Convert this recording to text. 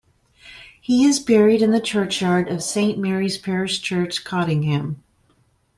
He is buried in the churchyard of Saint Mary's parish church, Cottingham.